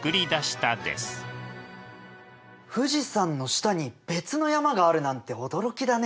富士山の下に別の山があるなんて驚きだね。